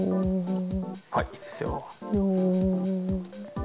はいいいですよ。